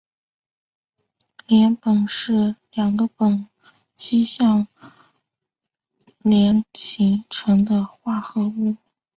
联苯是两个苯基相连形成的化合物。